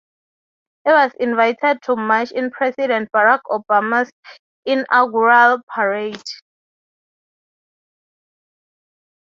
It was invited to march in President Barack Obama's inaugural parade.